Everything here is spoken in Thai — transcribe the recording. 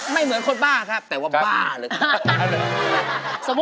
เหมือนคนบ้าครับแต่ว่าบ้าเลยครับ